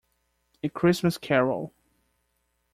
A Christmas Carol.